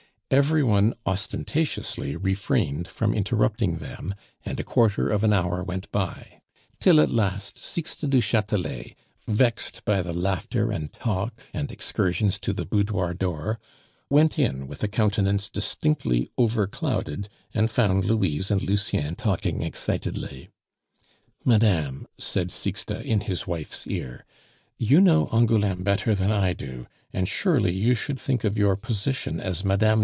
Every one ostentatiously refrained from interrupting them, and a quarter of an hour went by; till at last Sixte du Chatelet, vexed by the laughter and talk, and excursions to the boudoir door, went in with a countenance distinctly overclouded, and found Louise and Lucien talking excitedly. "Madame," said Sixte in his wife's ear, "you know Angouleme better than I do, and surely you should think of your position as Mme.